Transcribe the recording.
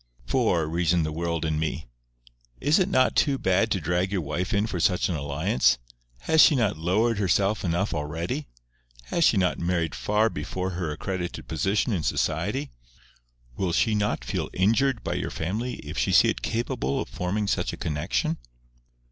"For," reasoned the world in me, "is it not too bad to drag your wife in for such an alliance? Has she not lowered herself enough already? Has she not married far below her accredited position in society? Will she not feel injured by your family if she see it capable of forming such a connexion?"